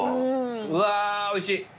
うわーおいしい。